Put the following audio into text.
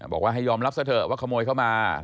บอกว่าให้ยอมรับซะเถอะว่าขโมยเข้ามา